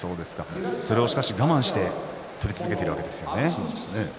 それを我慢して取り続けているわけですね。